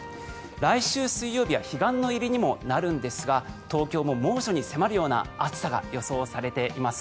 来週水曜日は彼岸の入りにもなるんですが東京も猛暑に迫るような暑さが予想されています。